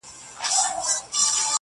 د ونو سیوري تاریک کړی وو -